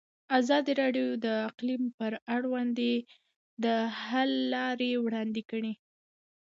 ازادي راډیو د اقلیم پر وړاندې د حل لارې وړاندې کړي.